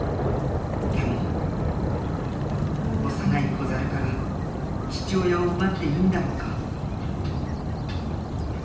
でも幼い子猿から父親を奪っていいんだろうか。